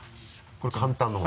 これ簡単な方？